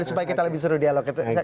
supaya kita lebih seru dialog